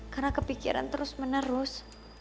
karena kepikiran terus menerus